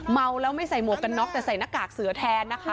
เมาแล้วไม่ใส่หมวกกันน็อกแต่ใส่หน้ากากเสือแทนนะคะ